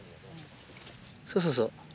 そうそうそう。